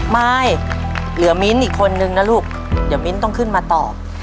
มายเหลือมิ้นอีกคนนึงนะลูกเดี๋ยวมิ้นต้องขึ้นมาตอบ